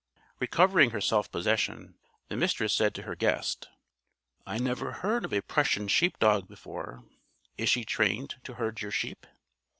Recovering her self possession, the Mistress said to her guest: "I never heard of a Prussian sheep dog before. Is she trained to herd your sheep?"